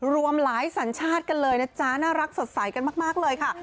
รวมหลายสัญชาติกันเลยนะจ๊ะน่ารักสดใสกันมากเลยค่ะ